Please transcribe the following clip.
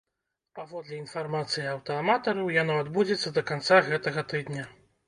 Паводле інфармацыі аўтааматараў, яно адбудзецца да канца гэтага тыдня.